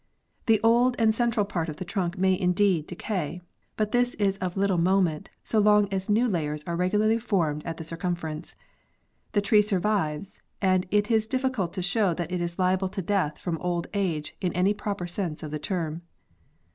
"The old and central part of the trunk may, indeed, decay, but. this is of little moment, so long as new layers are regularly formed at the circumference. The tree survives, and it is diffi cult to show that it is liable to death from old age in any proper sense of the term."